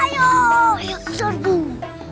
ayo kejar tuh